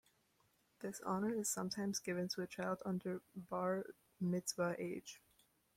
This honor is sometimes given to a child under Bar Mitzvah age.